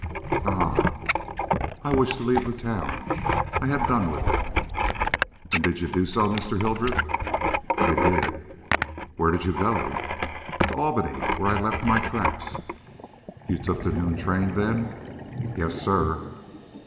"Ah!" "I wished to leave the town. I had done with it." "And did you do so, Mr. Hildreth?" "I did." "Where did you go?" "To Albany, where I had left my traps." "You took the noon train, then?" "Yes, sir."